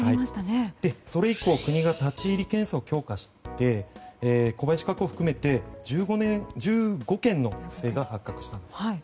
それ以降、国が立ち入り検査を強化して、小林化工含めて１５件の不正が発覚したんです。